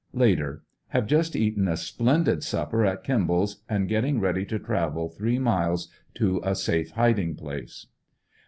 Later. — Have just eaten a splendid supper at Kimball's and getting ready to travel three miles to a safe hiding place.